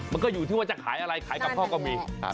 ไม่เน้นขายเน้นขับ